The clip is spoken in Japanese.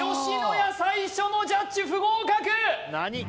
野家最初のジャッジ不合格！